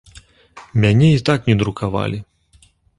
Мяне і так не друкавалі.